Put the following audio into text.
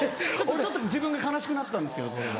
ちょっと自分が悲しくなったんですけどこれは。